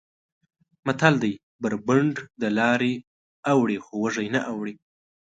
متل دی: بر بنډ دلارې اوړي خو وږی نه اوړي.